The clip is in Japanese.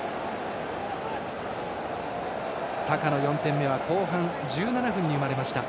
サカの４点目は後半１７分に生まれました。